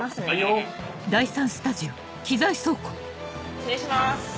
失礼します。